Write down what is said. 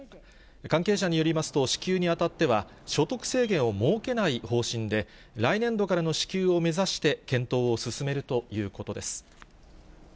関係者によりますと、支給にあたっては、所得制限を設けない方針で、来年度からの支給を目指して検討を進めるということです。